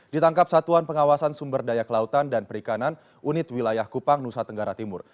ditangkap satuan pengawasan sumber daya kelautan dan perikanan unit wilayah kupang nusa tenggara timur